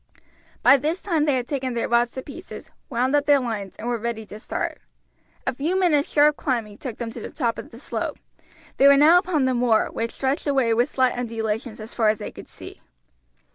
By this time they had taken their rods to pieces, wound up their lines, and were ready to start. A few minutes' sharp climbing took them to the top of the slope. They were now upon the moor, which stretched away with slight undulations as far as they could see.